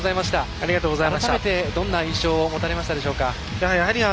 改めてどんな印象を持ちましたでしょうか？